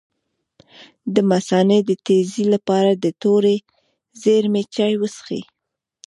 د مثانې د تیږې لپاره د تورې ږیرې چای وڅښئ